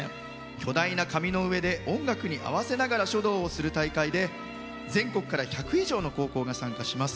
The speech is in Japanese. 巨大な紙の上で音楽に合わせながら書道をする大会で全国から１００以上の高校が参加します。